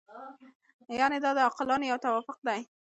یعنې دا د عاقلانو یو توافق دی.